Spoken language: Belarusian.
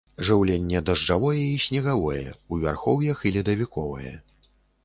Жыўленне дажджавое і снегавое, у вярхоўях і ледавіковае.